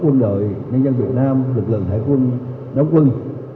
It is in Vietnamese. mời nhân dân việt nam lực lượng hải quân đóng quân